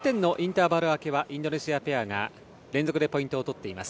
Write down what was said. １１点のインターバル明けはインドネシアペアが連続でポイントを取っています。